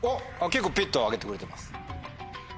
結構ピッと挙げてくれてます。